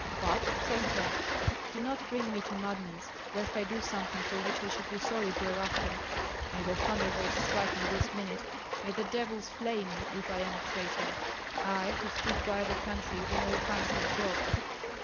"What, traitor! Do not bring me to madness, lest I do something for which I should be sorry hereafter. May the thunderbolts strike me this minute, may the devils flay me, if I am a traitor, I, who stood by the country when all hands had dropped!"